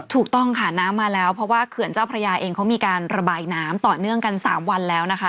ถูกต้องค่ะน้ำมาแล้วเพราะว่าเขื่อนเจ้าพระยาเองเขามีการระบายน้ำต่อเนื่องกัน๓วันแล้วนะคะ